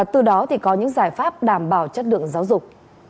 từ đó thì có những giải pháp đảm bảo chất lượng giáo dục